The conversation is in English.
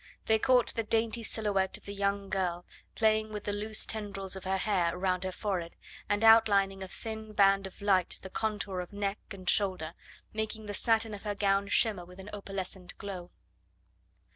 They caught the dainty silhouette of the young girl, playing with the loose tendrils of her hair around her forehead, and outlining with a thin band of light the contour of neck and shoulder, making the satin of her gown shimmer with an opalescent glow.